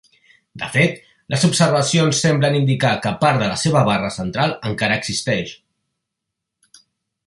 De fet, les observacions semblen indicar que part de la seva barra central encara existeix.